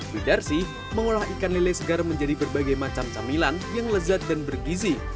widarsi mengolah ikan lele segar menjadi berbagai macam camilan yang lezat dan bergizi